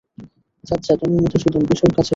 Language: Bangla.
সাজ্জাদ, উনি মধুসুদন, বিশুর কাছের বন্ধু।